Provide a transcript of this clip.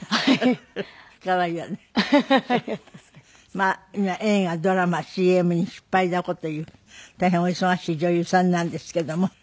まあ今映画ドラマＣＭに引っ張りだこという大変お忙しい女優さんなんですけども。